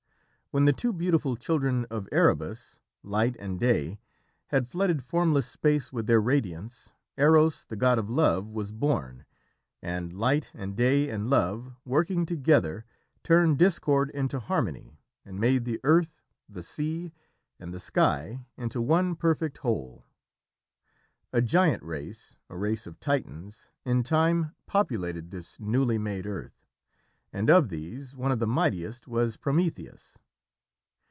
When the two beautiful children of Erebus, Light and Day, had flooded formless space with their radiance, Eros, the god of Love, was born, and Light and Day and Love, working together, turned discord into harmony and made the earth, the sea, and the sky into one perfect whole. A giant race, a race of Titans, in time populated this newly made earth, and of these one of the mightiest was Prometheus.